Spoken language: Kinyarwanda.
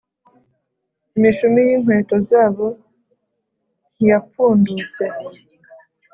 imishumi y’inkweto zabo ntiyapfundutse.